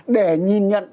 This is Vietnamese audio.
để nhìn nhận